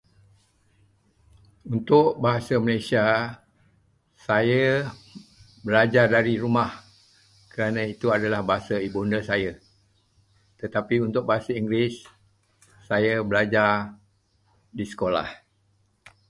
Untuk bahasa Malaysia, saya belajar dari rumah kerana itu adalah bahasa ibunda saya. Tetapi untuk bahasa Inggeris, saya belajar di sekolah.